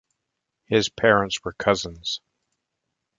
His parents were cousins.